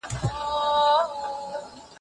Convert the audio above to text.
طبیعي او ټولنیز علوم دواړه مهم دي.